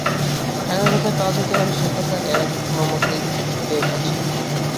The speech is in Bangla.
টাকা কোথায় পাওয়া যেতে পারে সে কথা এর আগে কোনোমতেই ভেবে পাচ্ছিলুম না।